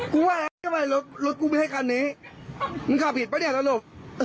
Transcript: กูว่าแอ๊ะรถกูไม่ใช่คันนี้มึงขับผิดป่ะเนี่ยตลก